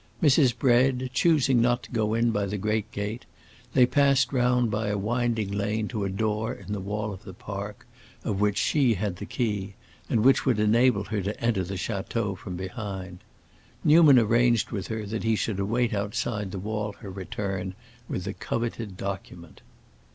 Mrs. Bread choosing not to go in by the great gate, they passed round by a winding lane to a door in the wall of the park, of which she had the key, and which would enable her to enter the château from behind. Newman arranged with her that he should await outside the wall her return with the coveted document.